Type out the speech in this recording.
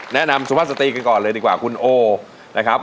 แนะนำสุภาษาตีกันก่อนเลยดีกว่าคุณโอนะครับ